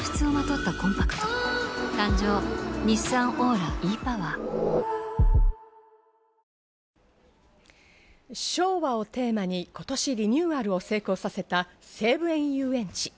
また男は昭和をテーマに今年リニューアルを成功させた西武園ゆうえんち。